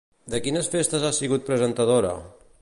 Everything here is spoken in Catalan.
De quines festes ha sigut presentadora?